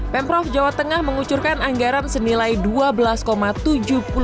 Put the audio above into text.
pemprov jawa tengah mengucurkan anggaran senilai dua belas tujuh puluh lima miliar rupiah untuk pembangunan tanggul